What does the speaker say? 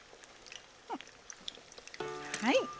はい。